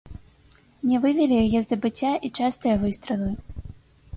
Не вывелі яе з забыцця і частыя выстралы.